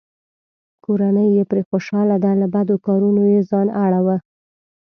کورنۍ یې پرې خوشحاله ده؛ له بدو کارونو یې ځان اړووه.